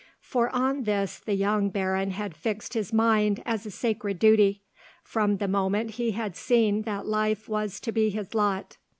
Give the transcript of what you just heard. For on this the young Baron had fixed his mind as a sacred duty, from the moment he had seen that life was to be his lot.